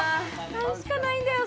３しかないんだよ。